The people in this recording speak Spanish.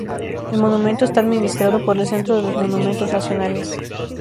El monumento está administrado por el Centro de los Monumentos nacionales.